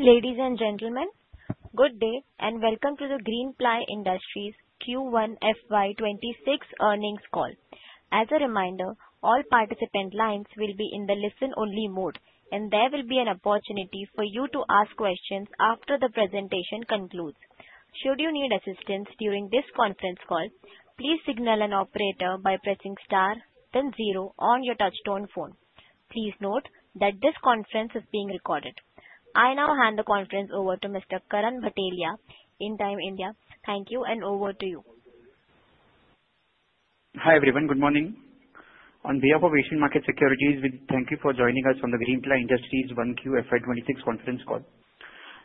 Ladies and gentlemen, good day and welcome to the Greenply Industries Q1 FY26 earnings call. As a reminder, all participant lines will be in the listen-only mode, and there will be an opportunity for you to ask questions after the presentation concludes. Should you need assistance during this conference call, please signal an operator by pressing star, then zero on your touch-tone phone. Please note that this conference is being recorded. I now hand the conference over to Mr. Karan Bhatelia, Intime India. Thank you, and over to you. Hi everyone, good morning. On behalf of Asian Markets Securities, we thank you for joining us on the Greenply Industries 1Q FY26 conference call.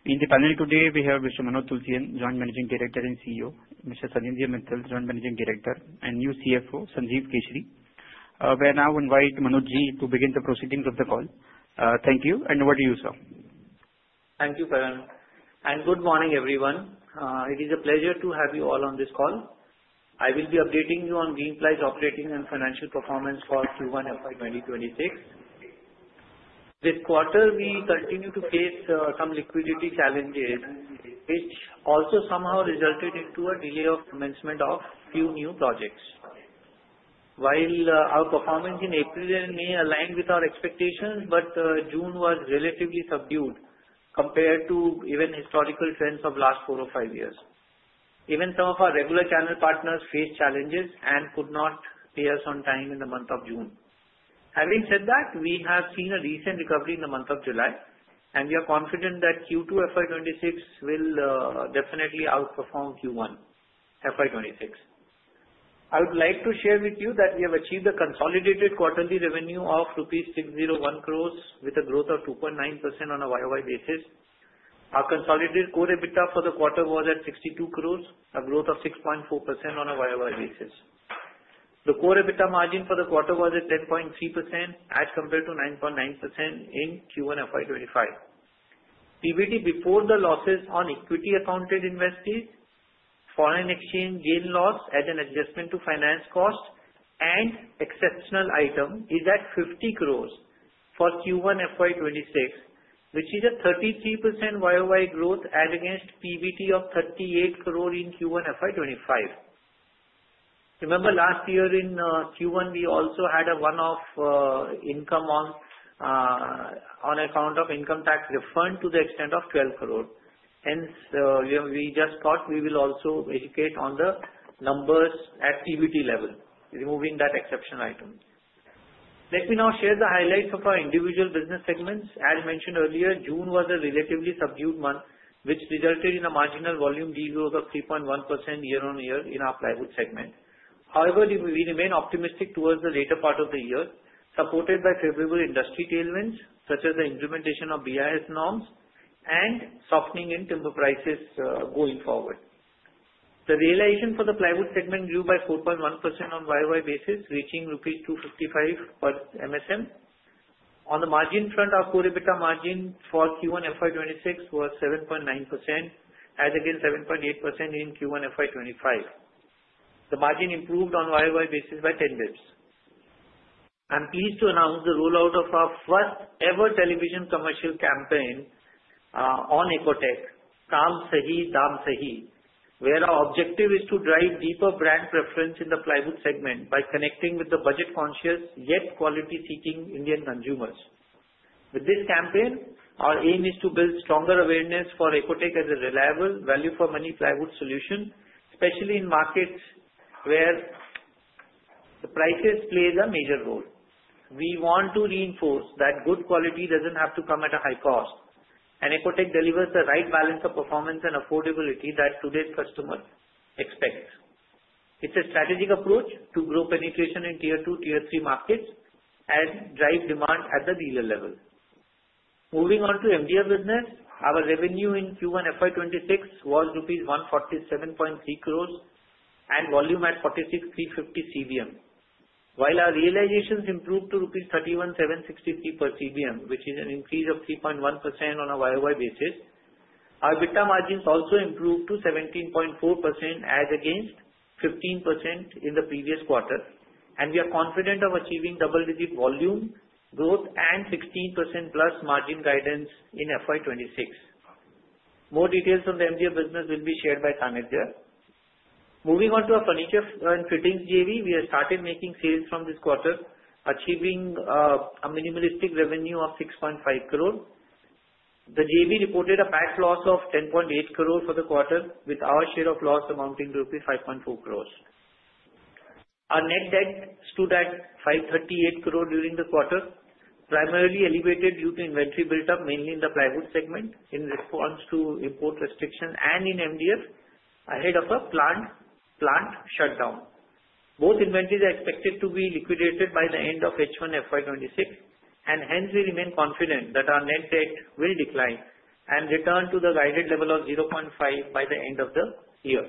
In the panel today, we have Mr. Manoj Tulsian, Joint Managing Director and CEO, Mr. Sanidhya Mittal, Joint Managing Director, and new CFO, Sanjeev Keshari. We now invite Manojji to begin the proceedings of the call. Thank you, and over to you, sir. Thank you, Karan. Good morning, everyone. It is a pleasure to have you all on this call. I will be updating you on Greenply's operating and financial performance for Q1 FY26. This quarter, we continued to face some liquidity challenges, which also somehow resulted in a delay of commencement of a few new projects. While our performance in April and May aligned with our expectations, June was relatively subdued compared to even historical trends of the last four or five years. Even some of our regular channel partners faced challenges and could not pay us on time in the month of June. Having said that, we have seen a decent recovery in the month of July, and we are confident that Q2 FY26 will definitely outperform Q1 FY26. I would like to share with you that we have achieved a consolidated quarterly revenue of Rs. Rupees 601 crores with a growth of 2.9% on a year-over-year basis. Our consolidated core EBITDA for the quarter was at 62 crores, a growth of 6.4% on a year-over-year basis. The core EBITDA margin for the quarter was at 10.3% as compared to 9.9% in Q1 FY25. PBT before the losses on equity-accounted investments, foreign exchange gain/loss, as an adjustment to finance cost, and exceptional item is at 50 crores for Q1 FY26, which is a 33% year-over-year growth against PBT of 38 crores in Q1 FY25. Remember, last year in Q1, we also had a one-off income on account of income tax refund to the extent of 12 crores. Hence, we just thought we will also educate on the numbers at PBT level, removing that exceptional item. Let me now share the highlights of our individual business segments. As mentioned earlier, June was a relatively subdued month, which resulted in a marginal volume degrowth of 3.1% year-on-year in our plywood segment. However, we remain optimistic towards the later part of the year, supported by favorable industry tailwinds such as the implementation of BIS norms and softening in timber prices going forward. The realization for the plywood segment grew by 4.1% on a year-over-year basis, reaching rupees 255 per MSM. On the margin front, our core EBITDA margin for Q1 FY26 was 7.9%, as against 7.8% in Q1 FY25. The margin improved on a year-over-year basis by 10 basis points. I'm pleased to announce the rollout of our first-ever television commercial campaign on Ecotec, "Tham Sahi, Dam Sahi," where our objective is to drive deeper brand preference in the plywood segment by connecting with the budget-conscious yet quality-seeking Indian consumers. With this campaign, our aim is to build stronger awareness for Ecotec as a reliable value-for-money plywood solution, especially in markets where the prices play a major role. We want to reinforce that good quality doesn't have to come at a high cost, and Ecotec delivers the right balance of performance and affordability that today's customers expect. It's a strategic approach to grow penetration in Tier 2, Tier 3 markets and drive demand at the dealer level. Moving on to MDF business, our revenue in Q1 FY26 was rupees 147.3 crores and volume at 46,350 CBM. While our realizations improved to rupees 31,763 per CBM, which is an increase of 3.1% on a year-over-year basis, our EBITDA margins also improved to 17.4% as against 15% in the previous quarter, and we are confident of achieving double-digit volume growth and 16% plus margin guidance in FY26. More details on the MDF business will be shared by Sanidhya. Moving on to our furniture and fittings JV, we have started making sales from this quarter, achieving a nominal revenue of 6.5 crores. The JV reported a book loss of 10.8 crores for the quarter, with our share of loss amounting to rupees 5.4 crores. Our net debt stood at 538 crores during the quarter, primarily elevated due to inventory build-up mainly in the plywood segment in response to import restrictions and in MDF ahead of a planned shutdown. Both inventories are expected to be liquidated by the end of H1 FY26, and hence we remain confident that our net debt will decline and return to the guided level of 0.5 by the end of the year.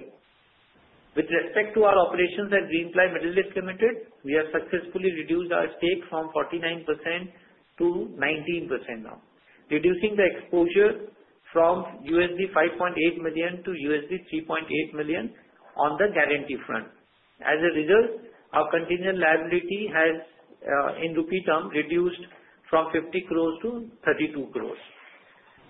With respect to our operations at Greenply Middle East Limited, we have successfully reduced our stake from 49%-19% now, reducing the exposure from $5.8 million-$3.8 million on the guarantee front. As a result, our continual liability has, in rupee terms, reduced from 50 crores to 32 crores.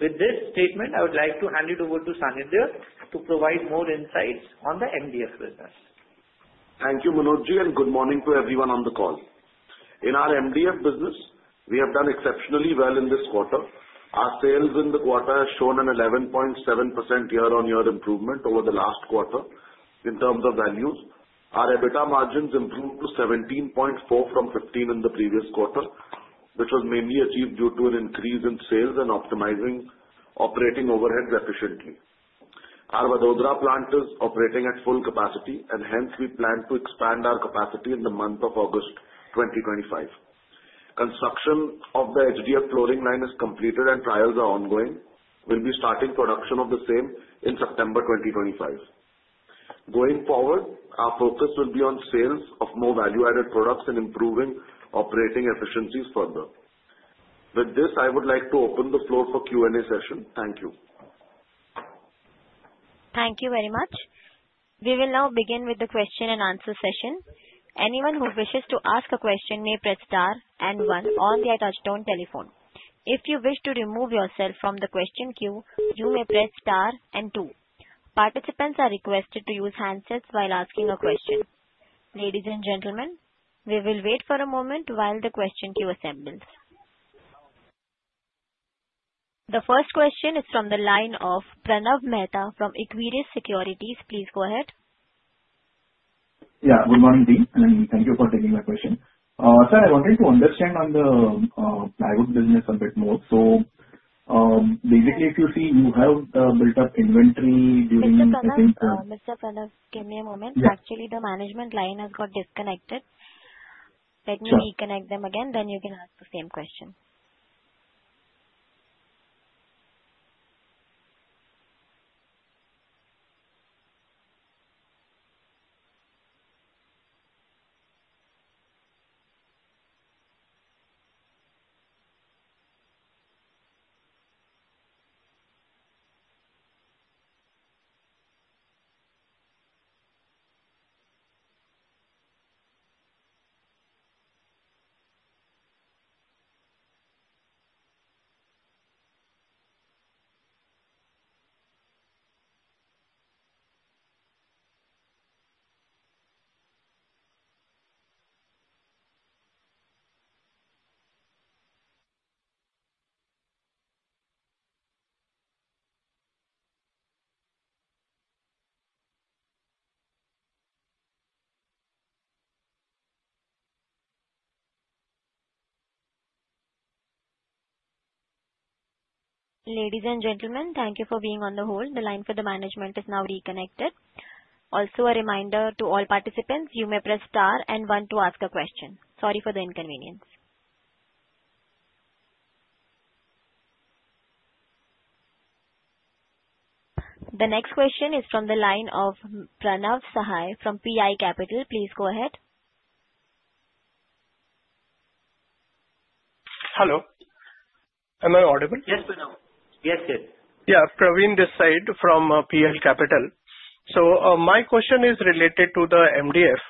With this statement, I would like to hand it over to Sanidhya to provide more insights on the MDF business. Thank you, Manoj, and good morning to everyone on the call. In our MDF business, we have done exceptionally well in this quarter. Our sales in the quarter have shown an 11.7% year-on-year improvement over the last quarter in terms of values. Our EBITDA margins improved to 17.4% from 15% in the previous quarter, which was mainly achieved due to an increase in sales and optimizing operating overhead efficiently. Our Vadodara plant is operating at full capacity, and hence we plan to expand our capacity in the month of August 2025. Construction of the HDF flooring line is completed, and trials are ongoing. We'll be starting production of the same in September 2025. Going forward, our focus will be on sales of more value-added products and improving operating efficiencies further. With this, I would like to open the floor for Q&A session. Thank you. Thank you very much. We will now begin with the question-and-answer session. Anyone who wishes to ask a question may press star and one on the touch-tone telephone. If you wish to remove yourself from the question queue, you may press star and two. Participants are requested to use handsets while asking a question. Ladies and gentlemen, we will wait for a moment while the question queue assembles. The first question is from the line of Pranav Mehta from Equirus Securities. Please go ahead. Yeah, good morning, team, and thank you for taking my question. Sir, I wanted to understand on the Plywood Business a bit more. Basically, if you see, you have built up inventory during the... Mr. Pranav, Mr. Pranav, give me a moment. Actually, the management line has got disconnected. Let me reconnect them again, then you can ask the same question. Ladies and gentlemen, thank you for being on the hold. The line for the management is now reconnected. Also, a reminder to all participants, you may press star and one to ask a question. Sorry for the inconvenience. The next question is from the line of Pranav Sahai from PI Capital. Please go ahead. Hello. Am I audible? Yes, Pranav. Yes, yes. Yeah, Praveen SahaI from PI Capital. So my question is related to the MDF.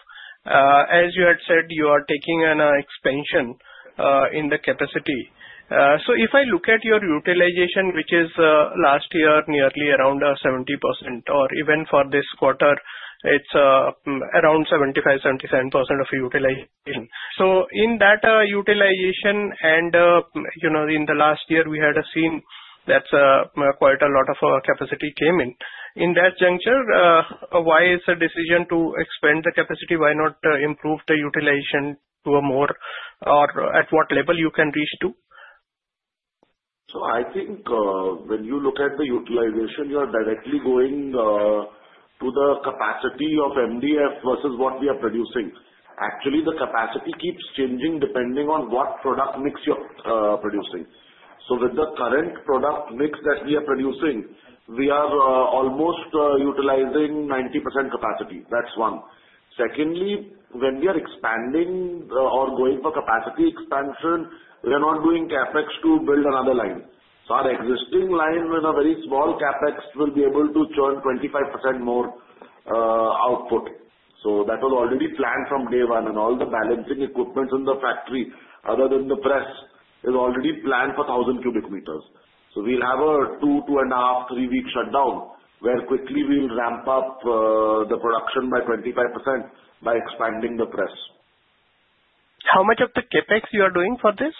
As you had said, you are taking an expansion in the capacity. So if I look at your utilization, which is last year nearly around 70%, or even for this quarter, it's around 75%-77% of utilization. So in that utilization, and in the last year, we had seen that quite a lot of capacity came in. In that juncture, why is the decision to expand the capacity? Why not improve the utilization to a more, or at what level you can reach to? So I think when you look at the utilization, you are directly going to the capacity of MDF versus what we are producing. Actually, the capacity keeps changing depending on what product mix you are producing. So with the current product mix that we are producing, we are almost utilizing 90% capacity. That's one. Secondly, when we are expanding or going for capacity expansion, we are not doing CapEx to build another line. So our existing line with a very small CapEx will be able to churn 25% more output. So that was already planned from day one, and all the balancing equipment in the factory, other than the press, is already planned for 1,000 cubic meters. So we'll have a two, two and a half, three-week shutdown, where quickly we'll ramp up the production by 25% by expanding the press. How much of the CapEx you are doing for this?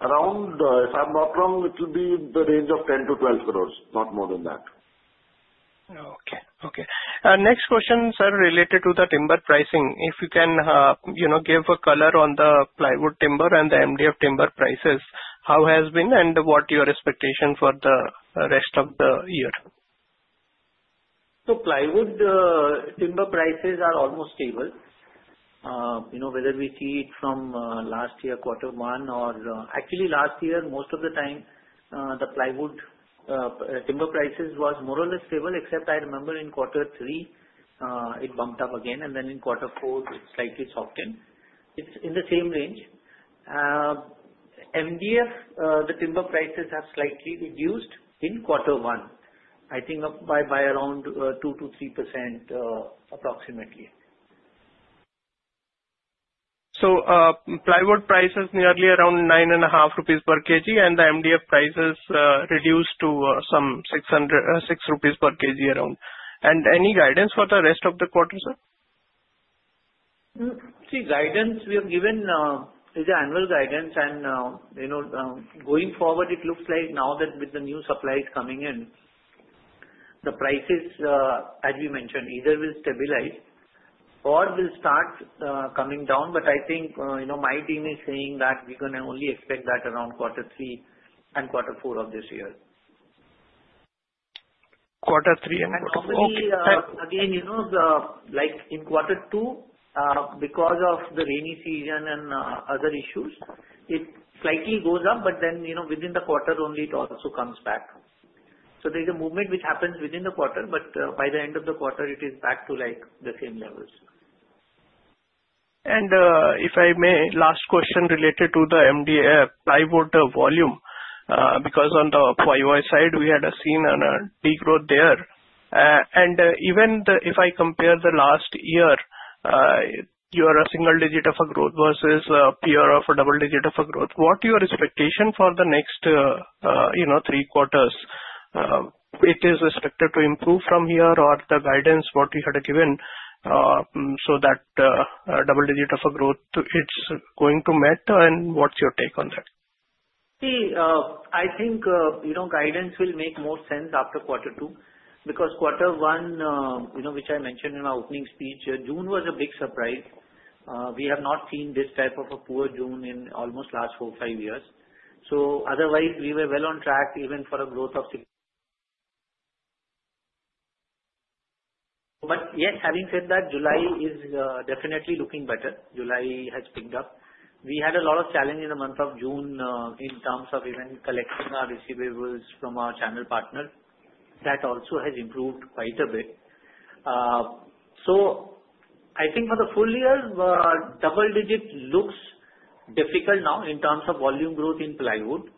Around, if I'm not wrong, it will be in the range of 10 crores-12 crores, not more than that. Okay, okay. Next question, sir, related to the timber pricing. If you can give a color on the plywood timber and the MDF timber prices, how has it been, and what are your expectations for the rest of the year? So plywood timber prices are almost stable. Whether we see it from last year quarter one or actually last year, most of the time, the plywood timber prices were more or less stable, except I remember in quarter three, it bumped up again, and then in quarter four, it slightly softened. It's in the same range. MDF, the timber prices have slightly reduced in quarter one, I think by around 2%-3% approximately. So plywood prices nearly around 9.5 crore rupees per kg, and the MDF prices reduced to some 6 crore rupees per kg around. And any guidance for the rest of the quarter, sir? See, guidance we are given is an annual guidance, and going forward, it looks like now that with the new supplies coming in, the prices, as we mentioned, either will stabilize or will start coming down. But I think my team is saying that we're going to only expect that around quarter three and quarter four of this year. Quarter three and quarter four? Only, again, like in quarter two, because of the rainy season and other issues, it slightly goes up, but then within the quarter only, it also comes back. There's a movement which happens within the quarter, but by the end of the quarter, it is back to the same levels. If I may, last question related to the MDF Plywood Volume, because on the PYY side, we had seen a degrowth there. Even if I compare the last year, you are a single digit of a growth versus a peer of a double digit of a growth. What are your expectations for the next three quarters? It is expected to improve from here or the guidance, what you had given so that double digit of a growth it's going to meet, and what's your take on that? See, I think guidance will make more sense after quarter two because quarter one, which I mentioned in my opening speech, June was a big surprise. We have not seen this type of a poor June in almost the last four, five years. So otherwise, we were well on track even for a growth of. But yes, having said that, July is definitely looking better. July has picked up. We had a lot of challenges in the month of June in terms of even collecting our receivables from our channel partners. That also has improved quite a bit. I think for the full year, double digit looks difficult now in terms of volume growth in plywood,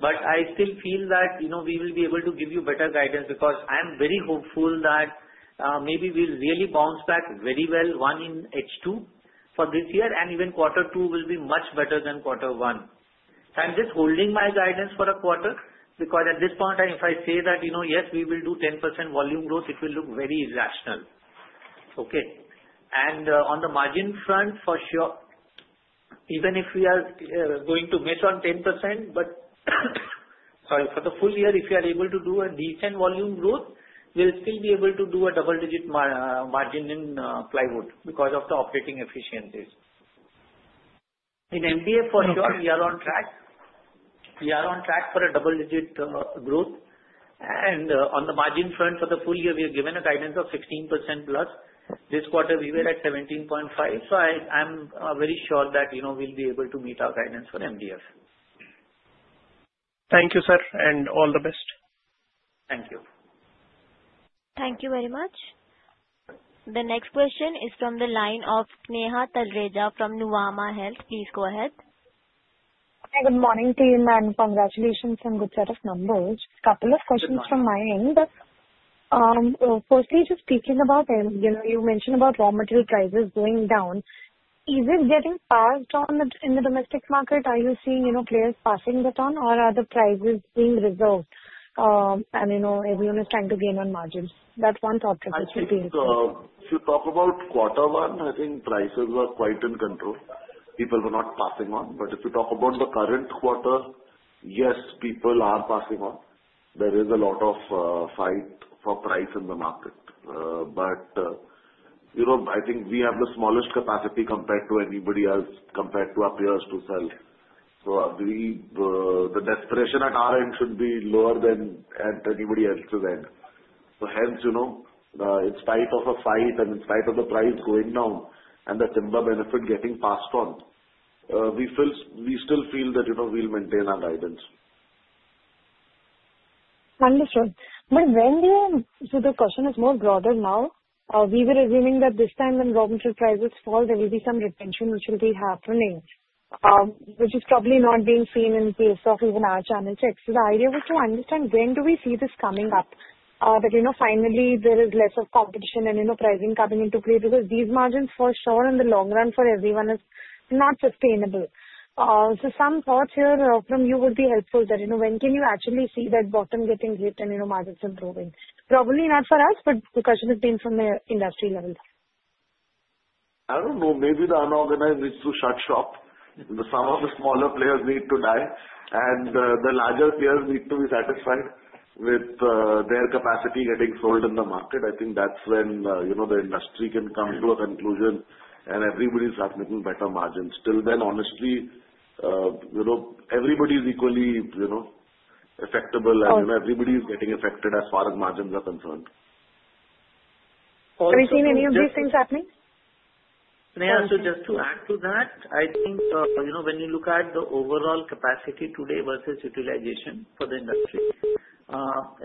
but I still feel that we will be able to give you better guidance because I'm very hopeful that maybe we'll really bounce back very well in H2 for this year, and even quarter two will be much better than quarter one. I'm just holding my guidance for a quarter because at this point, if I say that, yes, we will do 10% volume growth, it will look very irrational. Okay. And on the margin front, for sure, even if we are going to miss on 10%, but sorry, for the full year, if we are able to do a decent volume growth, we'll still be able to do a double digit margin in plywood because of the operating efficiencies. In MDF, for sure, we are on track. We are on track for a double-digit growth, and on the margin front, for the full year, we are given a guidance of 16% plus. This quarter, we were at 17.5%, so I'm very sure that we'll be able to meet our guidance for MDF. Thank you, sir, and all the best. Thank you. Thank you very much. The next question is from the line of Sneha Talreja from Nuvama Wealth. Please go ahead. Hi, good morning, team, and congratulations on a good set of numbers. A couple of questions from my end. Firstly, just speaking about health, you mentioned about raw material prices going down. Is it getting passed on in the domestic market? Are you seeing players passing that on, or are the prices being reversed? And everyone is trying to gain on margins. That one thought, please. I think if you talk about quarter one, I think prices were quite in control. People were not passing on. But if you talk about the current quarter, yes, people are passing on. There is a lot of fight for price in the market. But I think we have the smallest capacity compared to anybody else, compared to our peers to sell. So the desperation at our end should be lower than at anybody else's end. So hence, in spite of a fight and in spite of the price going down and the timber benefit getting passed on, we still feel that we'll maintain our guidance. Wonderful. But when we are so the question is more broader now. We were assuming that this time when raw material prices fall, there will be some retention, which will be happening, which is probably not being seen in the case of even our channel checks. So the idea was to understand when do we see this coming up, that finally there is less of competition and pricing coming into play because these margins, for sure, in the long run for everyone is not sustainable. So some thoughts here from you would be helpful that when can you actually see that bottom getting hit and margins improving? Probably not for us, but the question has been from the industry level. I don't know. Maybe the unorganized needs to shut shop. Some of the smaller players need to die, and the larger players need to be satisfied with their capacity getting sold in the market. I think that's when the industry can come to a conclusion and everybody start making better margins. Till then, honestly, everybody is equally affected, and everybody is getting affected as far as margins are concerned. Have you seen any of these things happening? Sneha, so just to add to that, I think when you look at the overall capacity today versus utilization for the industry,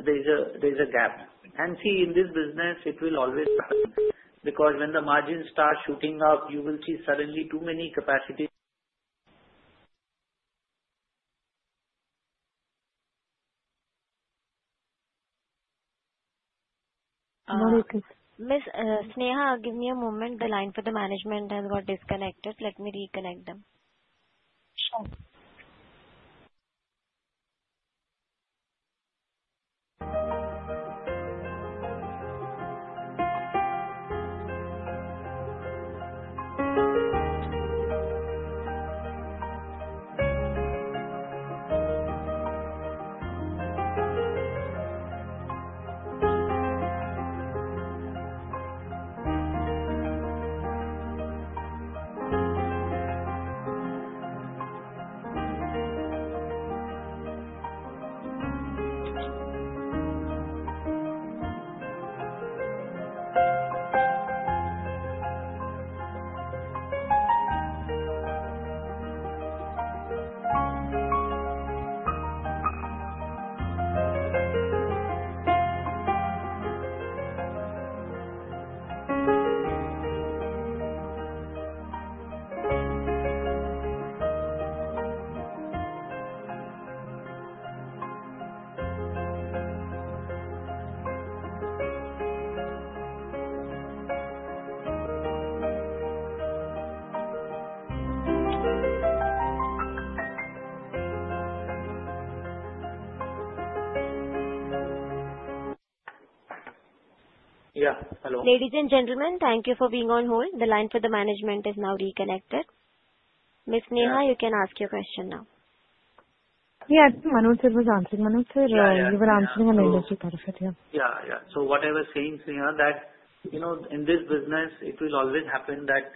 there's a gap, and see, in this business, it will always happen because when the margins start shooting up, you will see suddenly too many capacity. Miss Sneha, give me a moment. The line for the management has got disconnected. Let me reconnect them. Sure. Yeah, hello. Ladies and gentlemen, thank you for being on hold. The line for the management is now reconnected. Miss Sneha, you can ask your question now. Yes, Manoj Sir was answering. Manoj Sir, you were answering a little bit of it, yeah. Yeah, yeah. So what I was saying, Sneha, that in this business, it will always happen that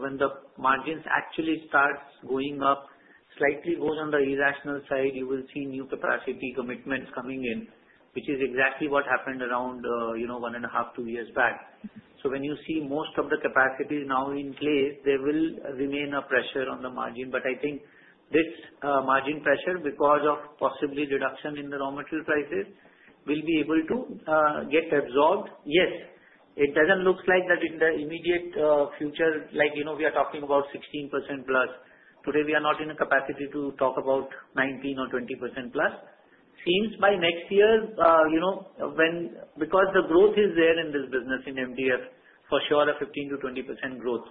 when the margins actually start going up, slightly goes on the irrational side, you will see new capacity commitments coming in, which is exactly what happened around one and a half, two years back. So when you see most of the capacity now in place, there will remain a pressure on the margin. But I think this margin pressure, because of possibly reduction in the raw material prices, will be able to get absorbed. Yes, it doesn't look like that in the immediate future, like we are talking about 16% plus. Today, we are not in a capacity to talk about 19% or 20% plus. Seems by next year, because the growth is there in this business, in MDF, for sure, a 15%-20% growth.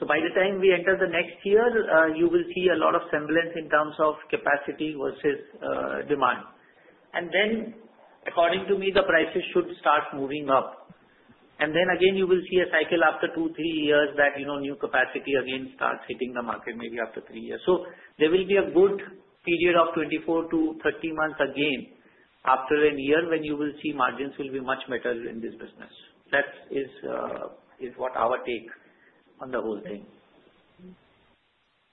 So by the time we enter the next year, you will see a lot of semblance in terms of capacity versus demand. And then, according to me, the prices should start moving up. And then again, you will see a cycle after two, three years that new capacity again starts hitting the market, maybe after three years. So there will be a good period of 24-30 months again after a year when you will see margins will be much better in this business. That is what our take on the whole thing.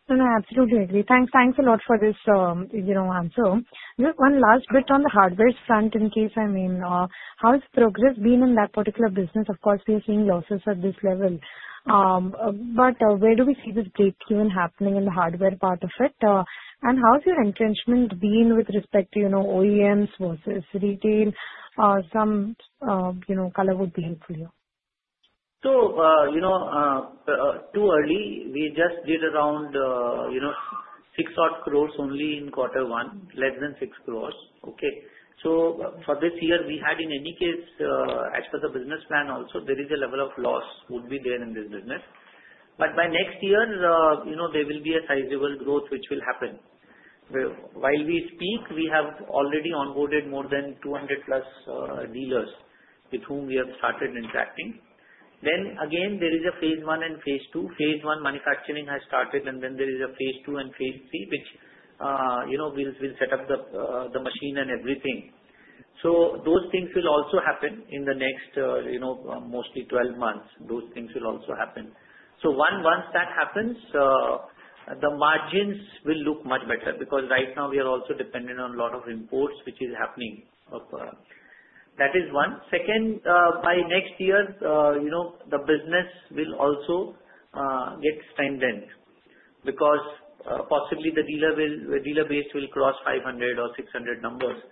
Sneha, absolutely agree. Thanks a lot for this answer. Just one last bit on the hardware front, in case I mean, how has progress been in that particular business? Of course, we are seeing losses at this level. But where do we see this breakthrough happening in the hardware part of it? And how has your entrenchment been with respect to OEMs versus retail? Some color would be helpful here. Too early. We just did around 6 crores only in quarter one, less than 6 crores. Okay. For this year, we had, in any case, as per the business plan, also there is a level of loss would be there in this business. By next year, there will be a sizable growth which will happen. While we speak, we have already onboarded more than 200-plus dealers with whom we have started interacting. Then again, there is a phase one and phase two. Phase one manufacturing has started, and then there is a phase two and phase three, which will set up the machine and everything. Those things will also happen in the next mostly 12 months. Those things will also happen. So once that happens, the margins will look much better because right now we are also dependent on a lot of imports, which is happening. That is one. Second, by next year, the business will also get strengthened because possibly the dealer base will cross 500 or 600 numbers.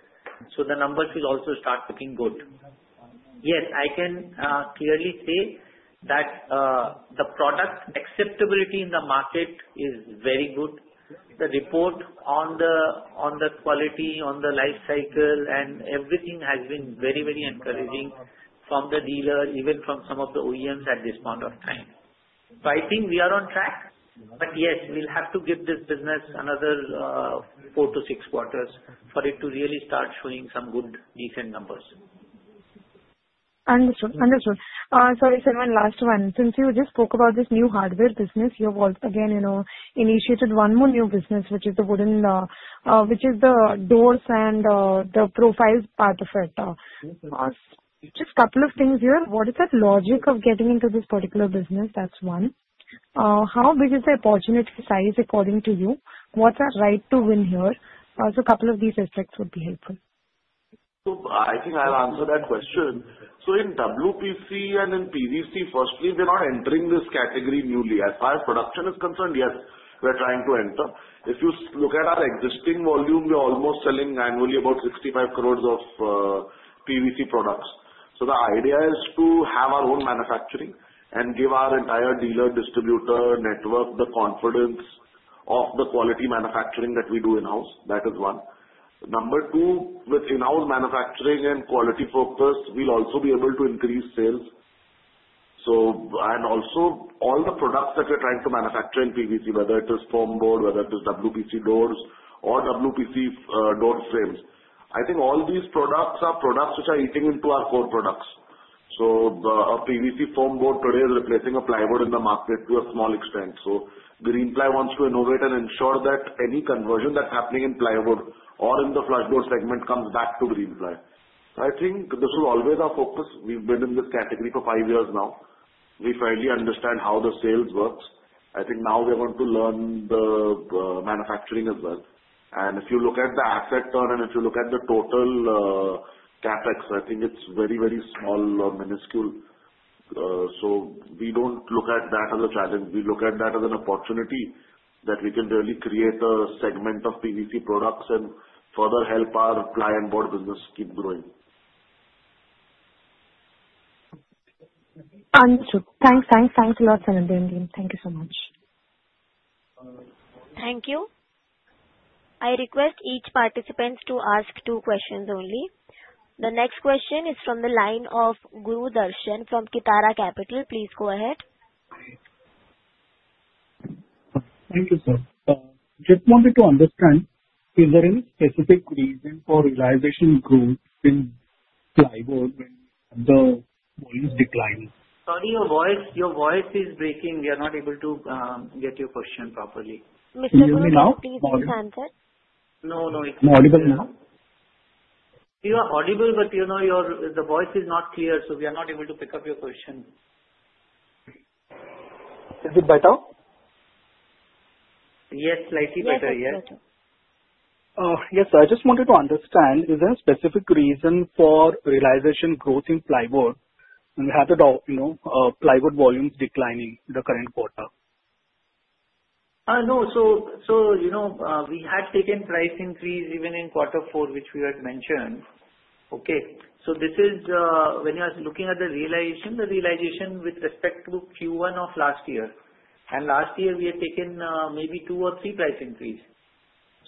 So the numbers will also start looking good. Yes, I can clearly say that the product acceptability in the market is very good. The report on the quality, on the life cycle, and everything has been very, very encouraging from the dealer, even from some of the OEMs at this point of time. So I think we are on track. But yes, we'll have to give this business another four to six quarters for it to really start showing some good, decent numbers. Understood. Sorry, Sir, one last one. Since you just spoke about this new hardware business, you have once again initiated one more new business, which is the wooden, which is the doors and the profile part of it. Just a couple of things here. What is the logic of getting into this particular business? That's one. How big is the opportunity size according to you? What's our right to win here? So a couple of these aspects would be helpful. I think I'll answer that question. In WPC and in PVC, firstly, they're not entering this category newly. As far as production is concerned, yes, we're trying to enter. If you look at our existing volume, we're almost selling annually about 65 crores of PVC products. The idea is to have our own manufacturing and give our entire dealer distributor network the confidence of the quality manufacturing that we do in-house. That is one. Number two, with in-house manufacturing and quality focus, we'll also be able to increase sales. Also, all the products that we're trying to manufacture in PVC, whether it is foam board, whether it is WPC doors or WPC door frames, I think all these products are products which are eating into our core products. A PVC foam board today is replacing a plywood in the market to a small extent. Greenply wants to innovate and ensure that any conversion that's happening in plywood or in the flushboard segment comes back to Greenply. So I think this is always our focus. We've been in this category for five years now. We finally understand how the sales works. I think now we're going to learn the manufacturing as well. And if you look at the asset turn and if you look at the total CapEx, I think it's very, very small or minuscule. So we don't look at that as a challenge. We look at that as an opportunity that we can really create a segment of PVC products and further help our plywood business keep growing. Understood. Thanks, thanks, thanks a lot, Sir. Thank you so much. Thank you. I request each participant to ask two questions only. The next question is from the line of Guru Darshan from Kitara Capital. Please go ahead. Thank you, sir. Just wanted to understand, is there any specific reason for realization growth in plywood when the volume is declining? Sorry, your voice is breaking. We are not able to get your question properly. Mr. Guru, please please answer. No, no. You are audible now? We are audible, but the voice is not clear, so we are not able to pick up your question. Is it better? Yes, slightly better, yes. Yes, it's better. Yes, I just wanted to understand, is there a specific reason for realization growth in plywood when we have the Plywood Volumes declining in the current quarter? No, so we had taken price increase even in quarter four, which we had mentioned. Okay. So this is when you are looking at the realization, the realization with respect to Q1 of last year. And last year, we had taken maybe two or three price increases.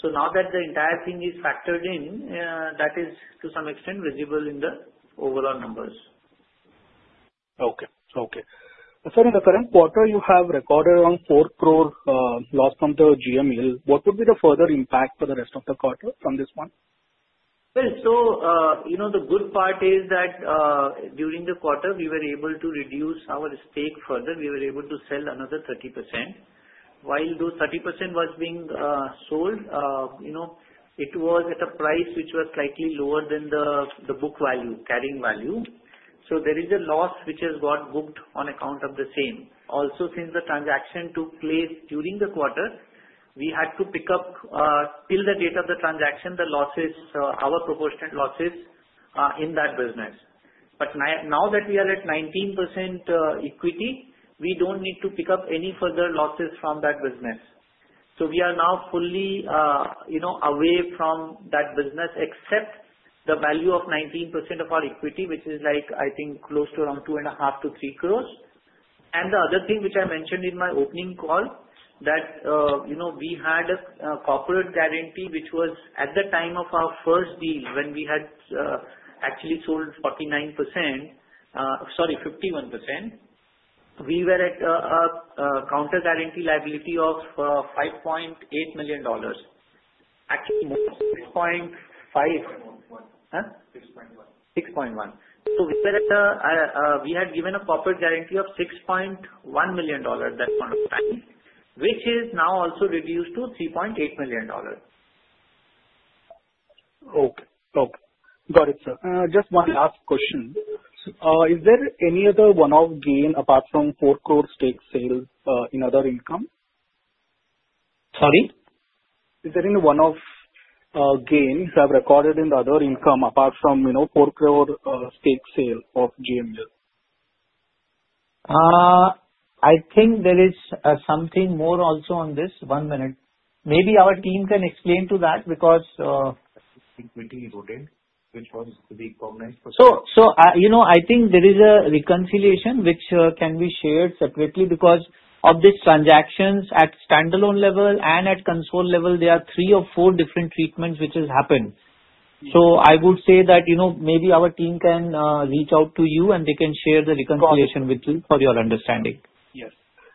So now that the entire thing is factored in, that is to some extent visible in the overall numbers. So in the current quarter, you have recorded around 4 crores loss from the GMEL. What would be the further impact for the rest of the quarter from this one? So the good part is that during the quarter, we were able to reduce our stake further. We were able to sell another 30%. While those 30% was being sold, it was at a price which was slightly lower than the book value, carrying value. So there is a loss which has got booked on account of the same. Also, since the transaction took place during the quarter, we had to pick up till the date of the transaction, the losses, our proportionate losses in that business. But now that we are at 19% equity, we don't need to pick up any further losses from that business. So we are now fully away from that business except the value of 19% of our equity, which is like, I think, close to around 2.5 crores-3 crores. And the other thing which I mentioned in my opening call, that we had a corporate guarantee, which was at the time of our first deal, when we had actually sold 49% sorry, 51%, we were at a counter guarantee liability of $5.8 million. Actually, more than 6.5. 6.1. Huh? 6.1. So we had given a corporate guarantee of $6.1 million at that point of time, which is now also reduced to $3.8 million. Okay. Okay. Got it, sir. Just one last question. Is there any other one-off gain apart from 4 crore stake sales in other income? Sorry? Is there any one-off gain you have recorded in the other income apart from INR 4 crore stake sale of GMEL? I think there is something more also on this. One minute. Maybe our team can explain to that because. I think we're being routed, which was the big problem for. So I think there is a reconciliation which can be shared separately because of these transactions at standalone level and at consolidated level. There are three or four different treatments which have happened. So I would say that maybe our team can reach out to you and they can share the reconciliation with you for your understanding. Yes.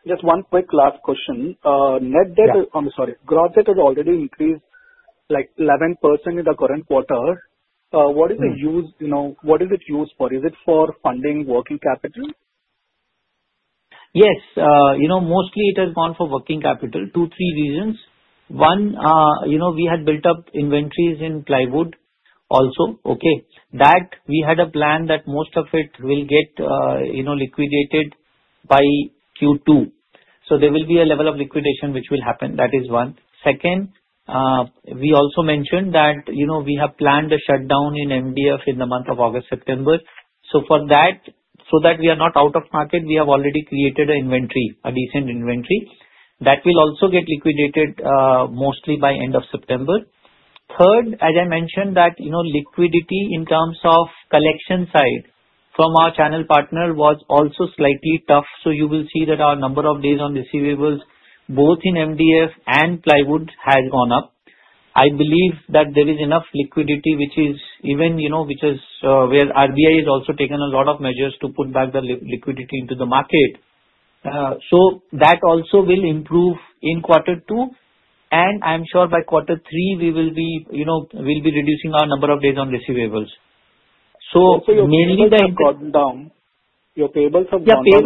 Just one quick last question. Net debt, sorry, gross debt has already increased like 11% in the current quarter. What is the use? What is it used for? Is it for funding working capital? Yes. Mostly, it has gone for working capital. Two, three reasons. One, we had built up inventories in plywood also. Okay. That we had a plan that most of it will get liquidated by Q2. So there will be a level of liquidation which will happen. That is one. Second, we also mentioned that we have planned a shutdown in MDF in the month of August, September. So for that, so that we are not out of market, we have already created an inventory, a decent inventory. That will also get liquidated mostly by end of September. Third, as I mentioned, that liquidity in terms of collection side from our channel partner was also slightly tough. So you will see that our number of days on receivables, both in MDF and plywood, has gone up. I believe that there is enough liquidity where RBI has also taken a lot of measures to put back the liquidity into the market. So that also will improve in quarter two. And I'm sure by quarter three, we will be reducing our number of days on receivables. So mainly the. So your payables have gone down? Yeah,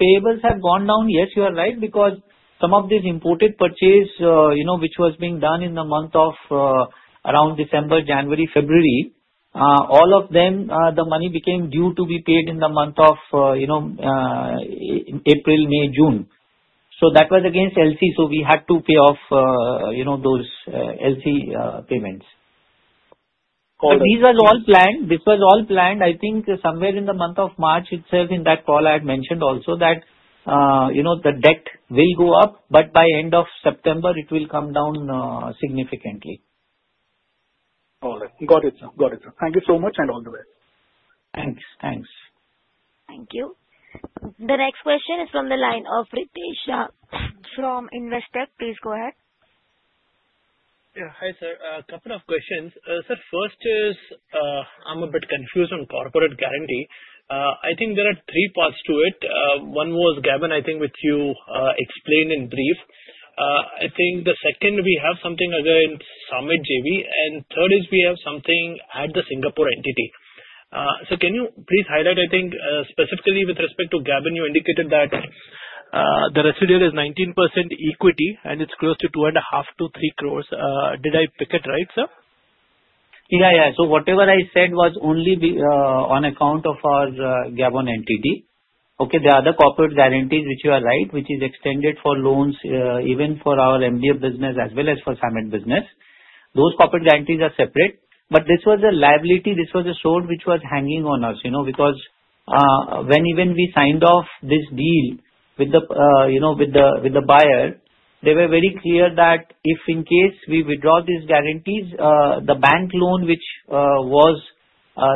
payables have gone down. Yes, you are right because some of these imported purchases which were being done in the month of around December, January, February, all of them, the money became due to be paid in the month of April, May, June. So that was against LC. So we had to pay off those LC payments. Got it. So these are all planned. This was all planned. I think somewhere in the month of March, it says in that call I had mentioned also that the debt will go up, but by end of September, it will come down significantly. All right. Got it. Got it, sir. Thank you so much and all the best. Thanks. Thanks. Thank you. The next question is from the line of Ritesh. From Investec. Please go ahead. Yeah. Hi, sir. A couple of questions. Sir, first is I'm a bit confused on corporate guarantee. I think there are three parts to it. One was Gabon, I think, which you explained in brief. I think the second, we have something other in Samet JV. And third is we have something at the Singapore entity. So can you please highlight, I think, specifically with respect to Gabon, you indicated that the residual is 19% equity and it's close to 2.5 crores-3 crores. Did I pick it right, sir? Yeah, yeah. So whatever I said was only on account of our Gabon entity. Okay. The other corporate guarantees, which you are right, which is extended for loans, even for our MDF business as well as for Summit business, those corporate guarantees are separate. But this was a liability. This was a sword which was hanging on us because when even we signed off this deal with the buyer, they were very clear that if in case we withdraw these guarantees, the bank loan which was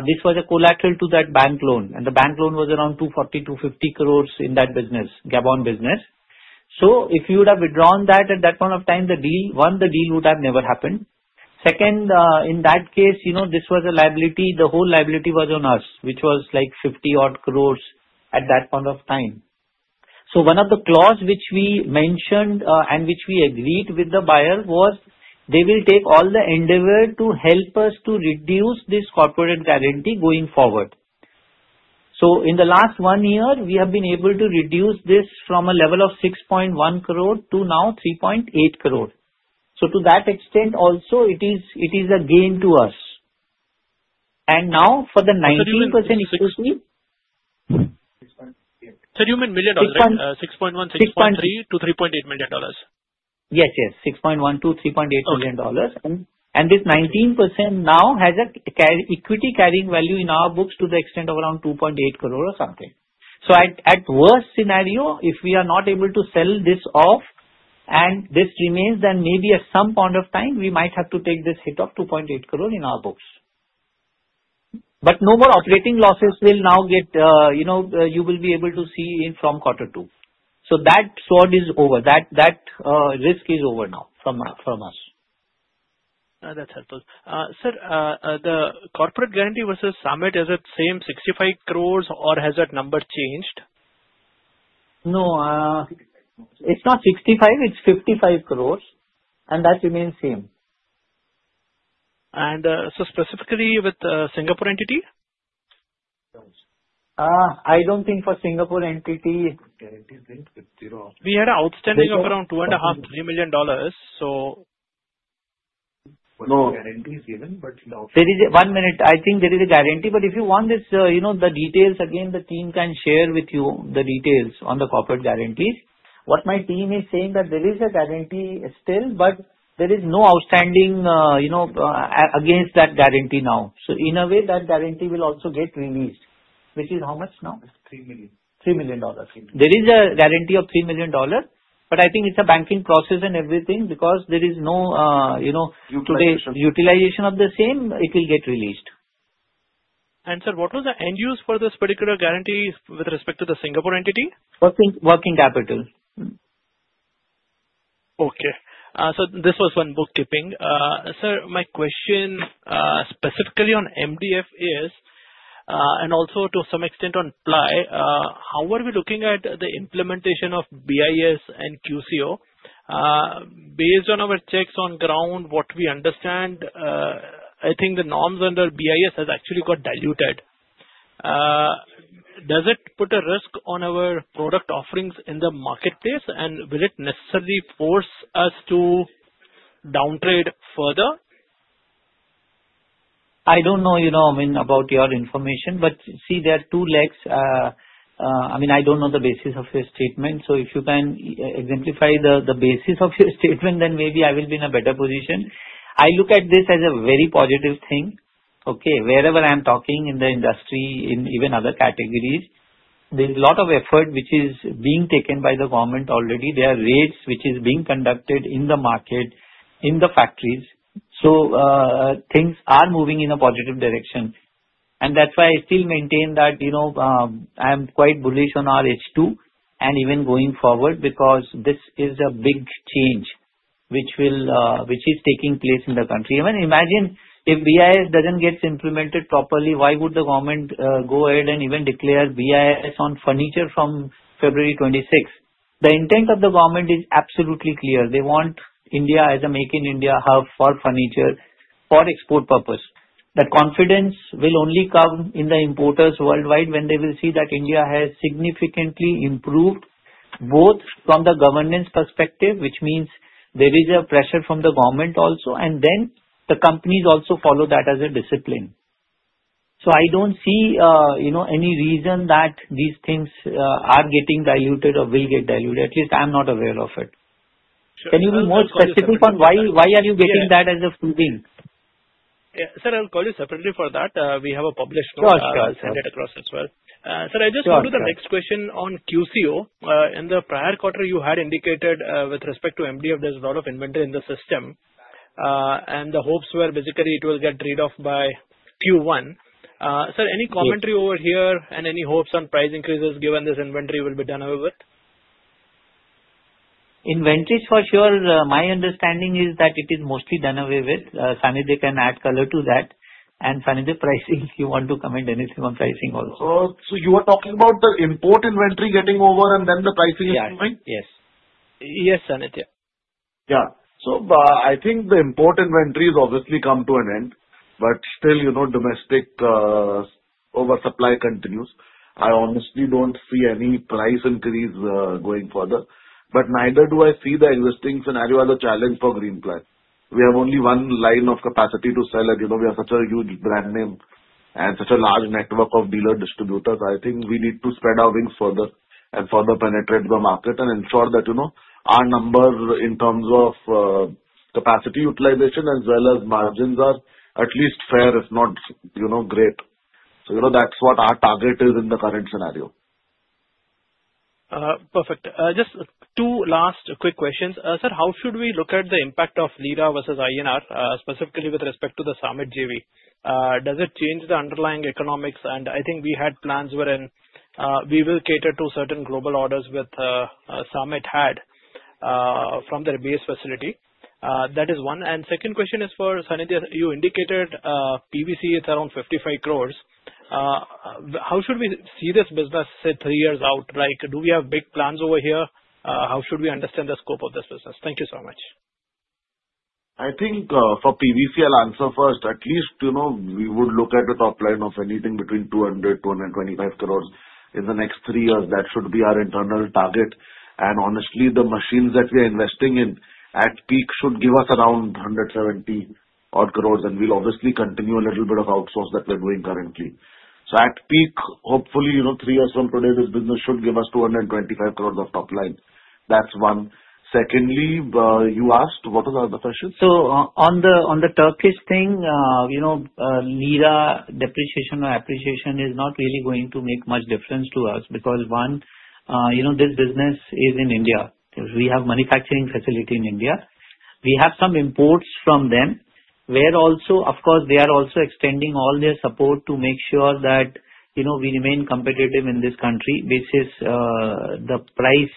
this was a collateral to that bank loan. And the bank loan was around INR 240crores-INR 250 crores in that business, Gabon business. So if you would have withdrawn that at that point of time, the deal one, the deal would have never happened. Second, in that case, this was a liability. The whole liability was on us, which was like 50 crores at that point of time. So one of the clauses which we mentioned and which we agreed with the buyer was they will take all the endeavor to help us to reduce this corporate guarantee going forward. So in the last one year, we have been able to reduce this from a level of 6.1 crores to now 3.8 crores. So to that extent, also, it is a gain to us. And now for the 19% equity. Sorry, you mean million dollars? $6.1 million, $6.3 million-$3.8 million? Yes, yes. $6.1 million-$3.8 million, and this 19% now has an equity carrying value in our books to the extent of around 2.8 crore or something, so at worst scenario, if we are not able to sell this off and this remains, then maybe at some point of time, we might have to take this hit of 2.8 crore in our books, but no more operating losses will now get you, you will be able to see from quarter two, so that sword is over. That risk is over now from us. That's helpful. Sir, the corporate guarantee versus Summit, is it same 65 crores or has that number changed? No. It's not 65 crores. It's 55 crores. And that remains same. And so specifically with Singapore entity? I don't think for Singapore entity. Guarantee is linked with zero. We had an outstanding of around $2.5 million-$3 million. So. No guarantee is given, but it is outstanding. One minute. I think there is a guarantee. But if you want the details, again, the team can share with you the details on the corporate guarantees. What my team is saying that there is a guarantee still, but there is no outstanding against that guarantee now. So in a way, that guarantee will also get released, which is how much now? It's 3 million. $3 million. There is a guarantee of $3 million. But I think it's a banking process and everything because there is no utilization of the same. It will get released. Sir, what was the end use for this particular guarantee with respect to the Singapore entity? Working capital. Okay. So this was one bookkeeping. Sir, my question specifically on MDF is, and also to some extent on ply, how are we looking at the implementation of BIS and QCO? Based on our checks on ground, what we understand, I think the norms under BIS has actually got diluted. Does it put a risk on our product offerings in the marketplace? And will it necessarily force us to downtrade further? I don't know, I mean, about your information. But see, there are two legs. I mean, I don't know the basis of your statement. So if you can exemplify the basis of your statement, then maybe I will be in a better position. I look at this as a very positive thing. Okay. Wherever I am talking in the industry, in even other categories, there's a lot of effort which is being taken by the government already. There are raids which are being conducted in the market, in the factories. So things are moving in a positive direction, and that's why I still maintain that I am quite bullish on our H2 and even going forward because this is a big change which is taking place in the country. Even imagine if BIS doesn't get implemented properly, why would the government go ahead and even declare BIS on furniture from February 26? The intent of the government is absolutely clear. They want India as a make-in-India hub for furniture for export purpose. That confidence will only come in the importers worldwide when they will see that India has significantly improved both from the governance perspective, which means there is a pressure from the government also, and then the companies also follow that as a discipline. So I don't see any reason that these things are getting diluted or will get diluted. At least I'm not aware of it. Can you be more specific on why are you getting that as a feeling? Yeah. Sir, I'll call you separately for that. We have a published note. Sure, sure. I'll send it across as well. Sir, I just want to do the next question on QCO. In the prior quarter, you had indicated with respect to MDF, there's a lot of inventory in the system. And the hopes were basically it will get rid of by Q1. Sir, any commentary over here and any hopes on price increases given this inventory will be done away with? Inventories for sure. My understanding is that it is mostly done away with. Sanjeev can add color to that. And Sanjeev, pricing, if you want to comment anything on pricing also. So you were talking about the import inventory getting over and then the pricing is moving? Yes. Yes. Yes, Sanidhya. Yeah. Yeah. So I think the import inventory has obviously come to an end. But still, domestic oversupply continues. I honestly don't see any price increase going further. But neither do I see the existing scenario as a challenge for Greenply. We have only one line of capacity to sell. We are such a huge brand name and such a large network of dealer distributors. I think we need to spread our wings further and further penetrate the market and ensure that our number in terms of capacity utilization as well as margins are at least fair, if not great. So that's what our target is in the current scenario. Perfect. Just two last quick questions. Sir, how should we look at the impact of Lira versus INR, specifically with respect to the Samet JV? Does it change the underlying economics? And I think we had plans wherein we will cater to certain global orders with Summit had from their base facility. That is one. And second question is for Sanidhya. You indicated PVC, it's around 55 crores. How should we see this business, say, three years out? Do we have big plans over here? How should we understand the scope of this business? Thank you so much. I think for PVC, I'll answer first. At least we would look at a top line of anything between 200 crore-225 crore in the next three years. That should be our internal target. And honestly, the machines that we are investing in at peak should give us around 170 crore. And we'll obviously continue a little bit of outsource that we're doing currently. So at peak, hopefully, three years from today, this business should give us 225 crore of top line. That's one. Secondly, you asked, what was the other question? So on the Turkish thing, Lira depreciation or appreciation is not really going to make much difference to us because, one, this business is in India. We have a manufacturing facility in India. We have some imports from them where also, of course, they are also extending all their support to make sure that we remain competitive in this country versus the price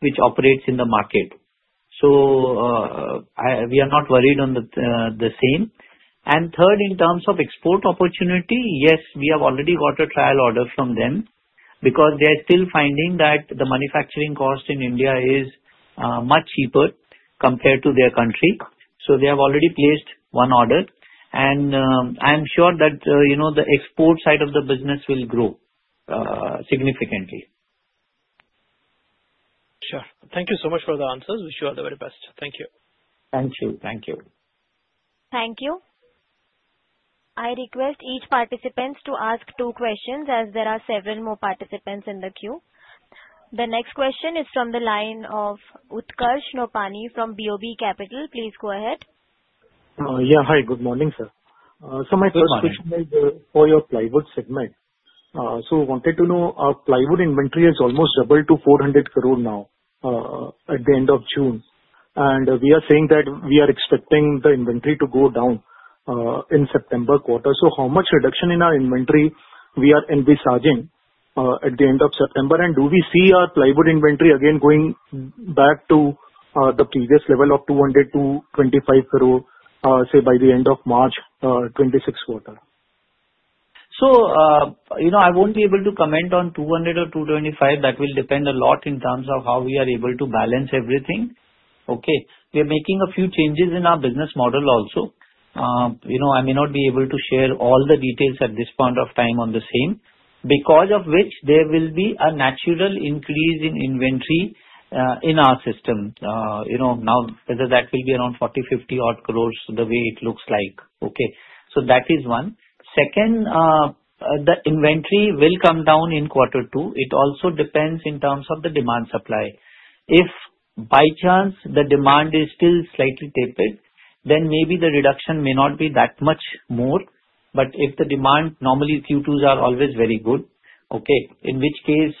which operates in the market. So we are not worried on the same. And third, in terms of export opportunity, yes, we have already got a trial order from them because they are still finding that the manufacturing cost in India is much cheaper compared to their country. So they have already placed one order. And I'm sure that the export side of the business will grow significantly. Sure. Thank you so much for the answers. Wish you all the very best. Thank you. Thank you. Thank you. Thank you. I request each participant to ask two questions as there are several more participants in the queue. The next question is from the line of Utkarsh Nopany from BOB Capital. Please go ahead. Yeah. Hi. Good morning, sir. So my first question is for your plywood segment. So I wanted to know our plywood inventory is almost double to 400 crore now at the end of June. And we are saying that we are expecting the inventory to go down in September quarter. So how much reduction in our inventory we are envisaging at the end of September? And do we see our plywood inventory again going back to the previous level of 200-225 crore, say, by the end of March, 26 quarter? So I won't be able to comment on 200 crore-225 crore. That will depend a lot in terms of how we are able to balance everything. Okay. We are making a few changes in our business model also. I may not be able to share all the details at this point of time on the same, because of which there will be a natural increase in inventory in our system. Now, whether that will be around 40 croresINR -50 crores the way it looks like. Okay. So that is one. Second, the inventory will come down in quarter two. It also depends in terms of the demand supply. If by chance the demand is still slightly tapered, then maybe the reduction may not be that much more. But if the demand normally Q2s are always very good, okay, in which case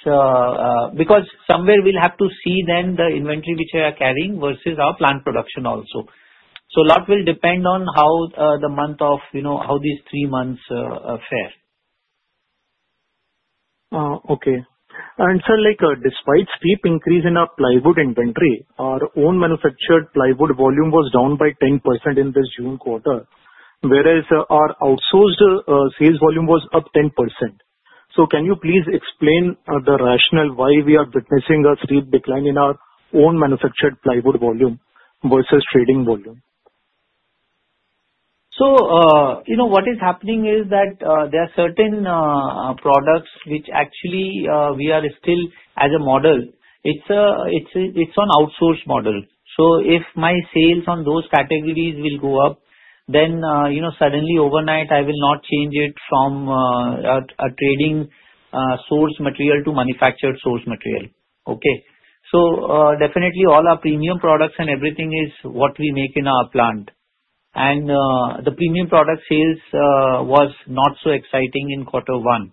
because somewhere we'll have to see then the inventory which we are carrying versus our plant production also. So a lot will depend on how these three months fare. Okay, and sir, despite steep increase in our plywood inventory, our own manufactured Plywood Volume was down by 10% in this June quarter, whereas our outsourced sales volume was up 10%, so can you please explain the rationale why we are witnessing a steep decline in our own manufactured Plywood Volume versus trading volume? So what is happening is that there are certain products which actually we are still as a model. It's an Outsourced model. So if my sales on those categories will go up, then suddenly overnight, I will not change it from a trading source material to manufactured source material. Okay. So definitely, all our premium products and everything is what we make in our plant. And the premium product sales was not so exciting in quarter one.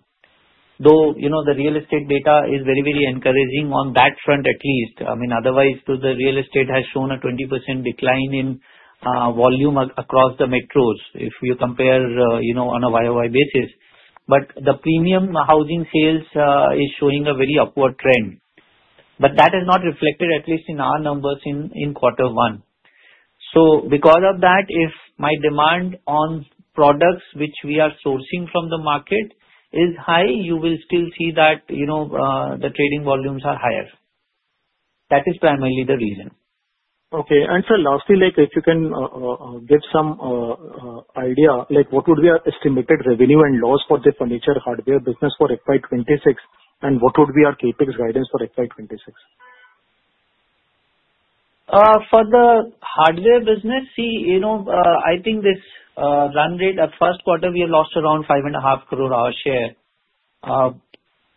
Though the real estate data is very, very encouraging on that front at least. I mean, otherwise, the real estate has shown a 20% decline in volume across the metros if you compare on a YOY basis. But the premium housing sales is showing a very upward trend. But that is not reflected, at least in our numbers in quarter one. Because of that, if my demand on products which we are sourcing from the market is high, you will still see that the trading volumes are higher. That is primarily the reason. Okay. And, sir, lastly, if you can give some idea, what would be our estimated revenue and loss for the furniture hardware business for FY26? And what would be our CapEx guidance for FY26? For the hardware business, see, I think this run rate, at first quarter, we lost around 5.5 crores our share.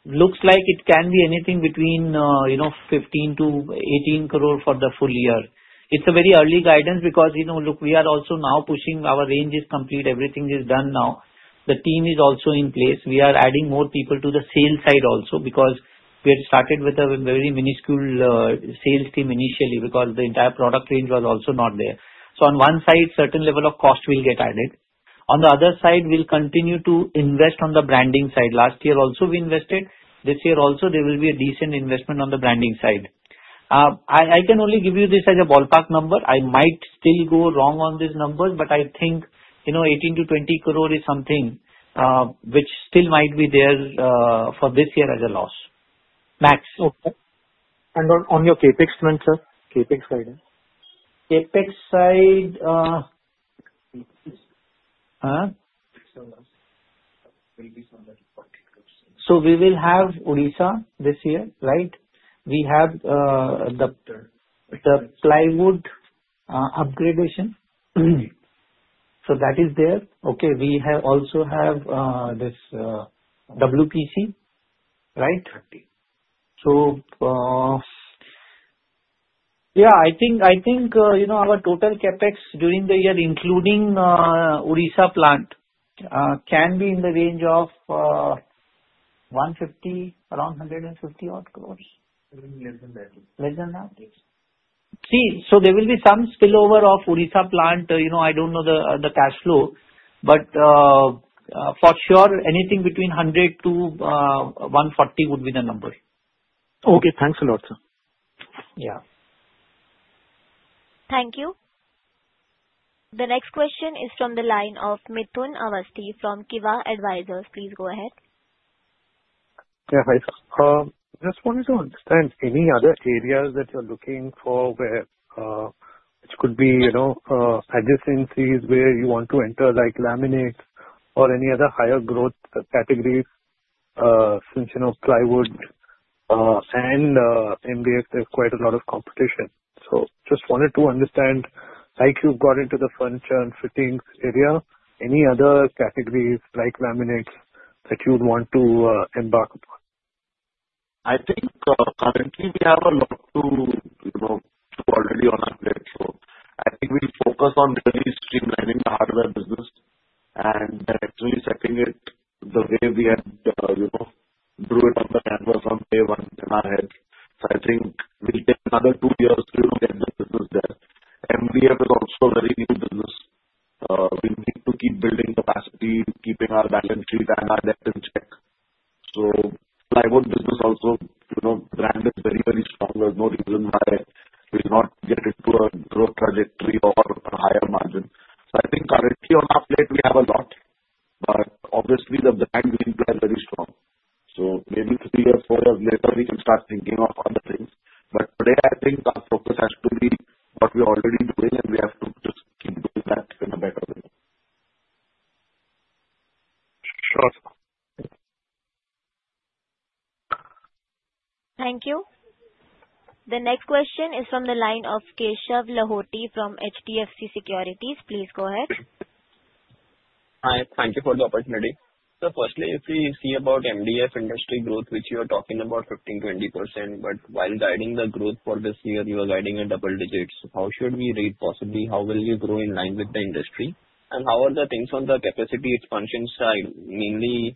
Looks like it can be anything between 15 crore-18 crore for the full year. It's a very early guidance because, look, we are also now pushing our ranges complete. Everything is done now. The team is also in place. We are adding more people to the sales side also because we had started with a very minuscule sales team initially because the entire product range was also not there. So on one side, a certain level of cost will get added. On the other side, we'll continue to invest on the branding side. Last year also, we invested. This year also, there will be a decent investment on the branding side. I can only give you this as a ballpark number. I might still go wrong on these numbers, but I think 18 crore-20 crore is something which still might be there for this year as a loss. Max. Okay, and on your Capex, sir? Capex guidance? Capex side. So we will have Orissa this year, right? We have the plywood upgradation. So that is there. Okay. We also have this WPC, right? Yeah. I think our total CapEx during the year, including Orissa plant, can be in the range of 150 crores, around 150 odd crores. Less than that. Less than that? See, so there will be some spillover of Orissa plant. I don't know the cash flow. But for sure, anything between 100 to 140 would be the number. Okay. Thanks a lot, sir. Yeah. Thank you. The next question is from the line of Mithun Aswath from Kiva Advisors. Please go ahead. Yeah. I just wanted to understand any other areas that you're looking for where it could be adjacencies where you want to enter, like laminates or any other higher growth categories since plywood and MDF, there's quite a lot of competition. So just wanted to understand, like you've got into the furniture and fittings area, any other categories like laminates that you'd want to embark upon? Sure. Thank you. The next question is from the line of Keshav Lahoti from HDFC Securities. Please go ahead. Hi. Thank you for the opportunity. So firstly, if we see about MDF industry growth, which you are talking about 15%-20%, but while guiding the growth for this year, you are guiding at double digits. How should we read possibly? How will you grow in line with the industry? And how are the things on the capacity expansion side? Mainly,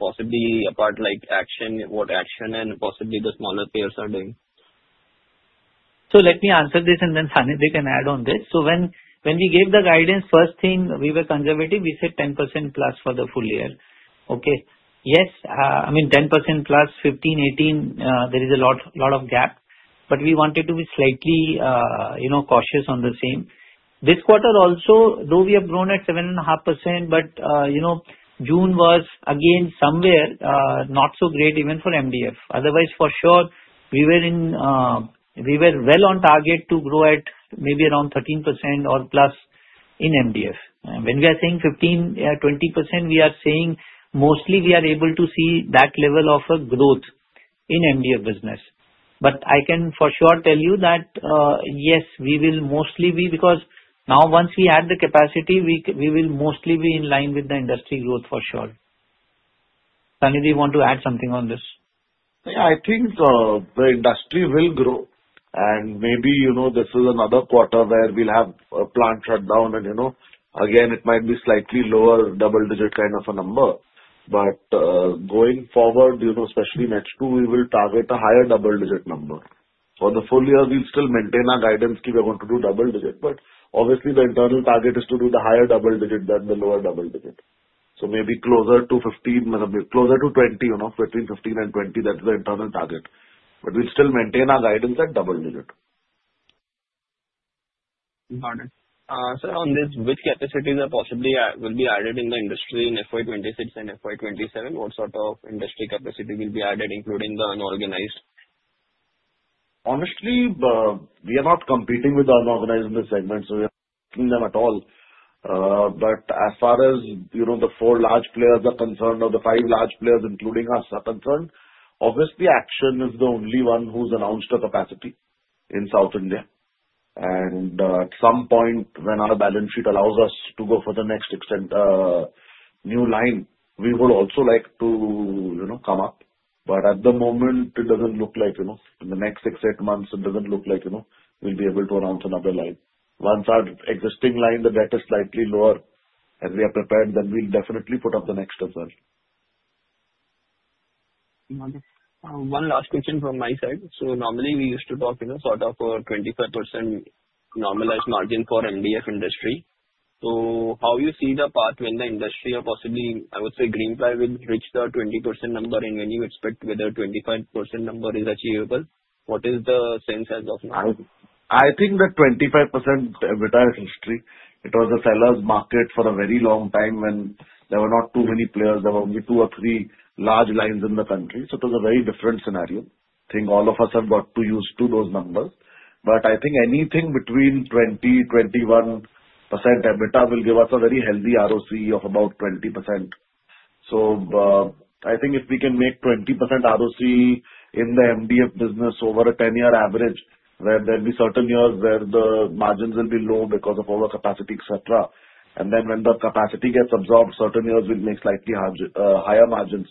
possibly apart from Action, what Action and possibly the smaller players are doing. So let me answer this, and then Sanidhya, they can add on this. When we gave the guidance, first thing, we were conservative. We said 10% plus for the full year. Okay. Yes. I mean, 10% plus 15%-18%, there is a lot of gap. But we wanted to be slightly cautious on the same. This quarter also, though we have grown at 7.5%, but June was, again, somewhere not so great even for MDF. Otherwise, for sure, we were well on target to grow at maybe around 13% or plus in MDF. When we are saying 15%-20%, we are saying mostly we are able to see that level of a growth in MDF business. But I can for sure tell you that, yes, we will mostly be because now once we add the capacity, we will mostly be in line with the industry growth for sure. Sanidhya, do you want to add something on this? Yeah. I think the industry will grow, and maybe this is another quarter where we'll have a plant shutdown, and again, it might be slightly lower double-digit kind of a number. But going forward, especially next two, we will target a higher double-digit number. For the full year, we'll still maintain our guidance. Key. We're going to do double-digit. But obviously, the internal target is to do the higher double-digit than the lower double-digit. So maybe closer to 15%, closer to 20%, between 15% and 20%, that's the internal target. But we'll still maintain our guidance at double-digit. Got it. Sir, on this, which capacities are possibly will be added in the industry in FY26 and FY27? What sort of industry capacity will be added, including the unorganized? Honestly, we are not competing with the unorganized in this segment, so we are not talking them at all. But as far as the four large players are concerned or the five large players, including us, are concerned, obviously, Action is the only one who's announced a capacity in South India. And at some point, when our balance sheet allows us to go for the next expansion new line, we would also like to come up. But at the moment, it doesn't look like in the next six, eight months, it doesn't look like we'll be able to announce another line. Once our existing line, the debt is slightly lower and we are prepared, then we'll definitely put up the next as well. One last question from my side. So normally, we used to talk sort of a 25% normalized margin for MDF industry. So how do you see the path when the industry or possibly, I would say, Greenply will reach the 20% number? And when you expect whether 25% number is achievable, what is the sense as of now? I think that's 25%. Every time in history, it was a seller's market for a very long time when there were not too many players. There were only two or three large lines in the country. So it was a very different scenario. I think all of us have got too used to those numbers. But I think anything between 20%-21% EBITDA will give us a very healthy ROC of about 20%. So I think if we can make 20% ROC in the MDF business over a 10-year average, there will be certain years where the margins will be low because of overcapacity, etc. And then when the capacity gets absorbed, certain years we'll make slightly higher margins.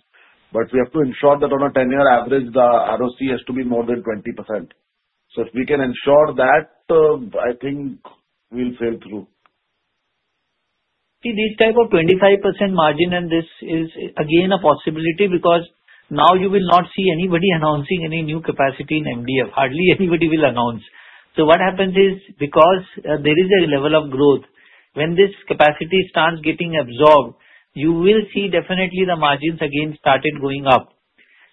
But we have to ensure that on a 10-year average, the ROC has to be more than 20%. So if we can ensure that, I think we'll sail through. See, this type of 25% margin and this is again a possibility because now you will not see anybody announcing any new capacity in MDF. Hardly anybody will announce. So what happens is because there is a level of growth, when this capacity starts getting absorbed, you will see definitely the margins again started going up.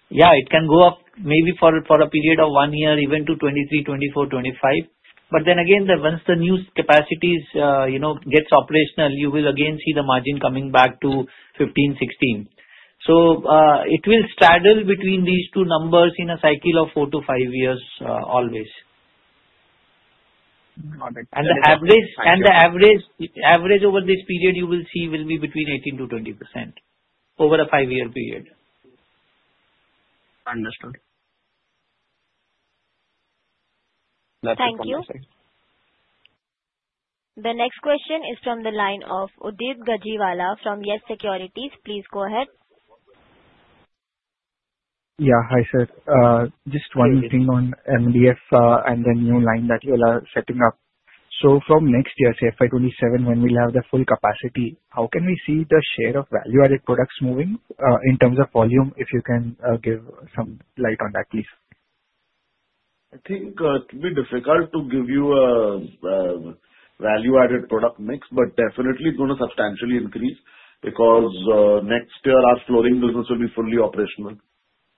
Yeah, it can go up maybe for a period of one year, even to 23%, 24%, 25%. But then again, once the new capacities gets operational, you will again see the margin coming back to 15%, 16%. So it will straddle between these two numbers in a cycle of four to five years always. And the average over this period you will see will be between 18%-20% over a five-year period. Understood. Thank you. The next question is from the line of Udit Gajiwala from YES Securities. Please go ahead. Yeah. Hi, sir. Just one thing on MDF and the new line that you all are setting up. So from next year, say FY27, when we'll have the full capacity, how can we see the share of value-added products moving in terms of volume if you can give some light on that, please? I think it will be difficult to give you a value-added product mix, but definitely it's going to substantially increase because next year, our flooring business will be fully operational.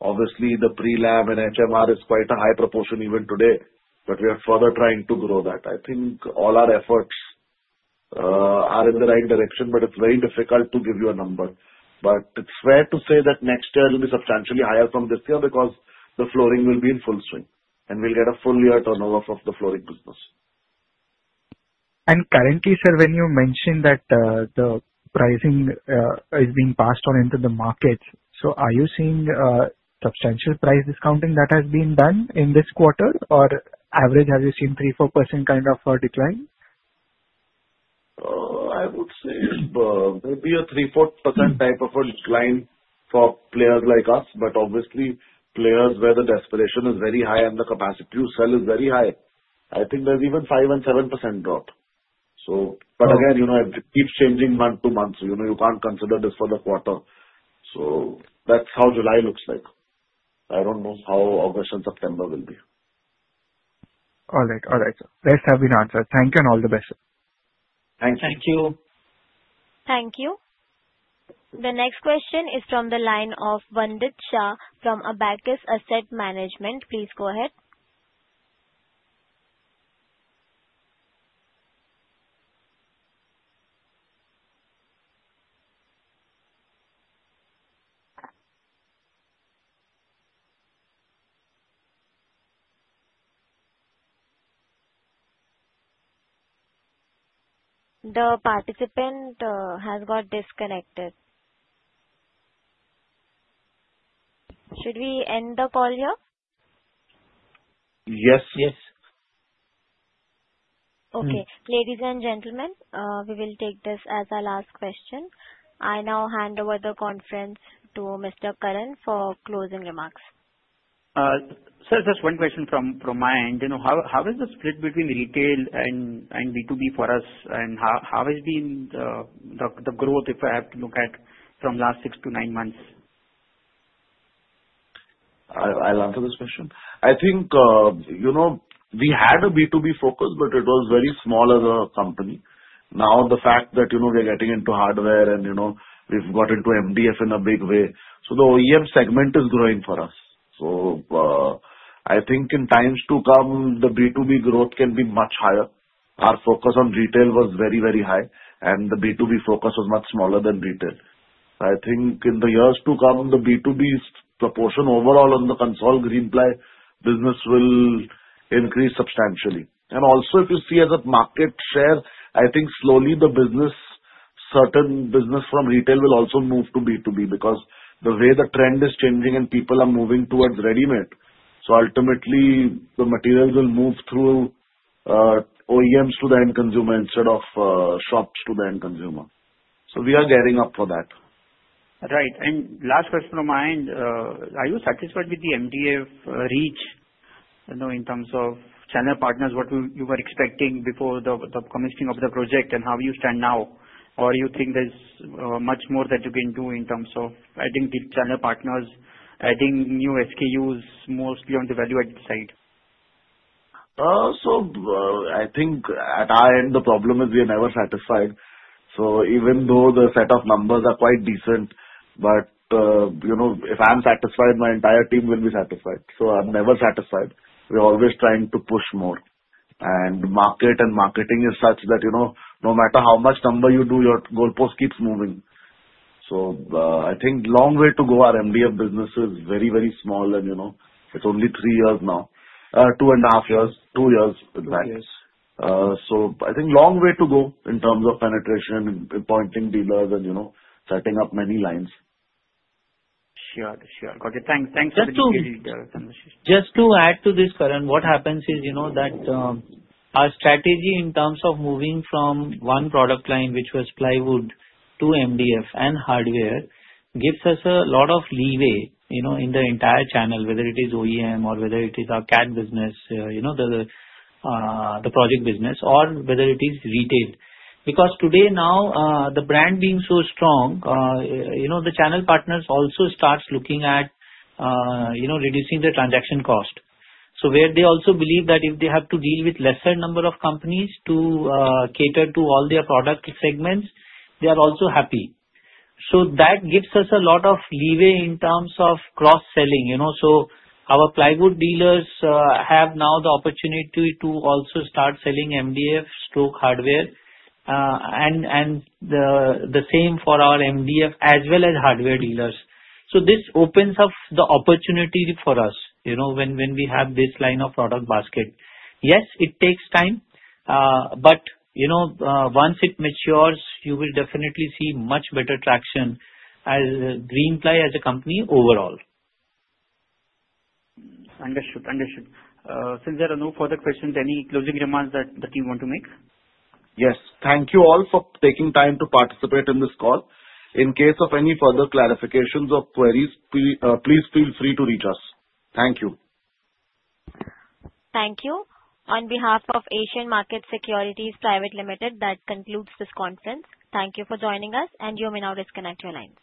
Obviously, the pre-lam and HMR is quite a high proportion even today, but we are further trying to grow that. I think all our efforts are in the right direction, but it's very difficult to give you a number. But it's fair to say that next year will be substantially higher from this year because the flooring will be in full swing and we'll get a full year turnover of the flooring business. Currently, sir, when you mentioned that the pricing is being passed on into the market, so are you seeing substantial price discounting that has been done in this quarter? Or average, have you seen 3%-4% kind of a decline? I would say maybe a 3%-4% type of a decline for players like us. But obviously, players where the desperation is very high and the capacity to sell is very high. I think there's even 5%-7% drop. But again, it keeps changing month to month. You can't consider this for the quarter. So that's how July looks like. I don't know how August and September will be. All right. All right. This has been answered. Thank you and all the best. Thank you. Thank you. Thank you. The next question is from the line of Vandit Shah from Abakkus Asset Manager. Please go ahead. The participant has got disconnected. Should we end the call here? Yes. Yes. Okay. Ladies and gentlemen, we will take this as our last question. I now hand over the conference to Mr. Karan for closing remarks. Sir, just one question from my end. How is the split between retail and B2B for us? And how has been the growth if I have to look at from last six to nine months? I'll answer this question. I think we had a B2B focus, but it was very small as a company. Now, the fact that we're getting into hardware and we've got into MDF in a big way. So the OEM segment is growing for us. So I think in times to come, the B2B growth can be much higher. Our focus on retail was very, very high, and the B2B focus was much smaller than retail. I think in the years to come, the B2B proportion overall on the whole Greenply business will increase substantially. Also, if you see as a market share, I think slowly the business, certain business from retail will also move to B2B because the way the trend is changing and people are moving towards ready-made. So ultimately, the materials will move through OEMs to the end consumer instead of shops to the end consumer. We are gearing up for that. Right. And last question from my end. Are you satisfied with the MDF reach in terms of channel partners, what you were expecting before the commissioning of the project, and how you stand now? Or do you think there's much more that you can do in terms of adding deep channel partners, adding new SKUs, mostly on the value-added side? So, I think at our end, the problem is we are never satisfied. So even though the set of numbers are quite decent, but if I'm satisfied, my entire team will be satisfied. So I'm never satisfied. We're always trying to push more. And market and marketing is such that no matter how much number you do, your goalpost keeps moving. So I think long way to go. Our MDF business is very, very small, and it's only three years now. Two and a half years. Two years with that. So I think long way to go in terms of penetration, appointing dealers, and setting up many lines. Sure. Sure. Okay. Thanks for this conversation. Just to add to this, Karan, what happens is that our strategy in terms of moving from one product line, which was plywood to MDF and hardware, gives us a lot of leeway in the entire channel, whether it is OEM or whether it is our B2B business, the project business, or whether it is retail. Because today now, the brand being so strong, the channel partners also start looking at reducing the transaction cost. So where they also believe that if they have to deal with lesser number of companies to cater to all their product segments, they are also happy. So that gives us a lot of leeway in terms of cross-selling. So our plywood dealers have now the opportunity to also start selling MDF stock hardware, and the same for our MDF as well as hardware dealers. This opens up the opportunity for us when we have this line of product basket. Yes, it takes time, but once it matures, you will definitely see much better traction as Greenply as a company overall. Understood. Understood. Since there are no further questions, any closing remarks that you want to make? Yes. Thank you all for taking time to participate in this call. In case of any further clarifications or queries, please feel free to reach us. Thank you. Thank you. On behalf of Asian Markets Securities Private Limited, that concludes this conference. Thank you for joining us, and you may now disconnect your lines.